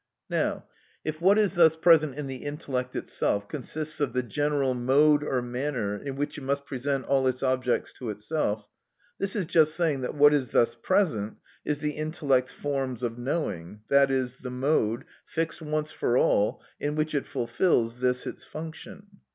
Now if what is thus present in the intellect itself consists of the general mode or manner in which it must present all its objects to itself, this is just saying that what is thus present is the intellect's forms of knowing, i.e., the mode, fixed once for all, in which it fulfils this its function.